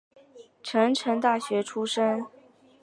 成城大学出身。